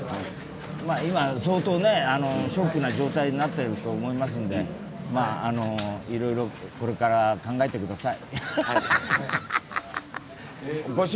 今、相当ショックな状態になっていると思いますんでいろいろ、これから考えてください。